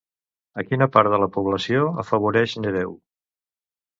A quina part de la població afavoreix Nereu?